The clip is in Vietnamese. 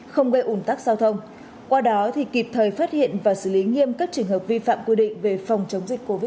không gây ủn tắc giao thông qua đó kịp thời phát hiện và xử lý nghiêm các trường hợp vi phạm quy định về phòng chống dịch covid một mươi chín